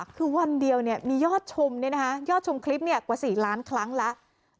คือวันเดียวมียอดชมยอดชมคลิปกว่า๔ล้านครั้งแล้ว